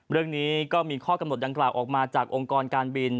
เรื่องนี้ก็มีข้อกำหนดดังกล่าวออกมาจากองค์กรการบิน